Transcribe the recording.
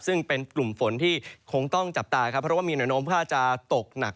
ซึ่งเป็นกลุ่มฝนที่คงต้องจับตาครับเพราะว่ามีหนมถ้าจะตกหนัก